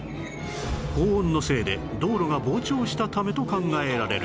高温のせいで道路が膨張したためと考えられる